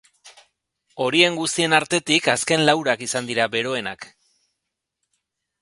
Horien guztien artetik, azken laurak izan dira beroenak.